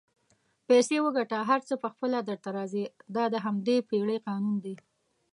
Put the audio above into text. پیسې وګټه هر څه پخپله درته راځي دا د همدې پیړۍ قانون دئ